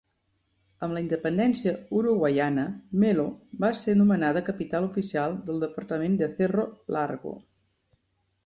Amb la independència uruguaiana, Melo va ser nomenada capital oficial del departament de Cerro Largo.